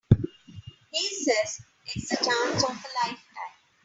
He says it's the chance of a lifetime.